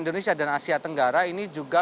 indonesia dan asia tenggara ini juga